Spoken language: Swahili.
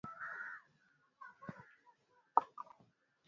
Watoto huishi na wazazi hadi wakuwe wakubwa